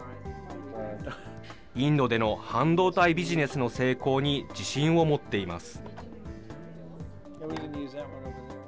インドでの半導体ビジネスの成功に自信を持っています。